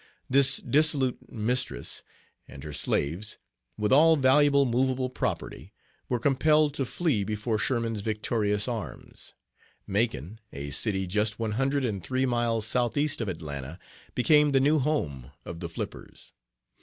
This dissolute mistress and her slaves, with all valuable movable property, were compelled to flee before Sherman's victorious arms. Macon, a city just one hundred and three miles south east of Atlanta, became the new home of the Flippers.